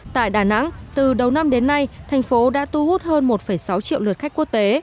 tại đà nẵng từ đầu năm đến nay thành phố đã tu hút hơn một sáu triệu lượt khách quốc tế